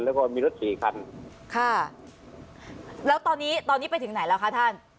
แล้วก็มีรถสี่คันค่ะแล้วตอนนี้ตอนนี้ไปถึงไหนแล้วคะท่าน